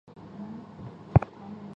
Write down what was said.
成虫主要寄生在山羊和绵羊的真胃。